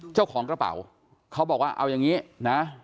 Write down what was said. เจ้าของกระเป๋าเขาบอกว่าเอาอย่างนี้นะ